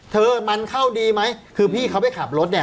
เธอมันเข้าดีไหมคือพี่เขาไปขับรถเนี่ย